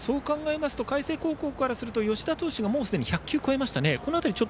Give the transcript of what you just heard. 海星高校とすると吉田投手が１００球を超えました。